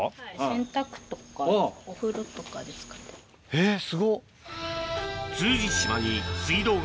えっすごっ！